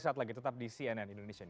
saat lagi tetap di cnn indonesia newscast